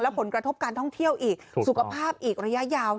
ผลกระทบการท่องเที่ยวอีกสุขภาพอีกระยะยาว